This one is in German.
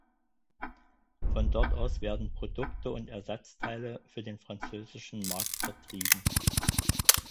Von dort aus werden Produkte und Ersatzteile für den französischen Markt vertrieben.